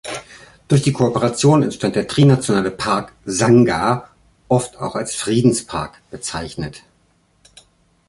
Durch die Kooperation entstand der trinationale Park "Sangha", oft auch als "Friedenspark" bezeichnet.